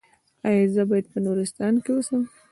ایا زه باید په نورستان کې اوسم؟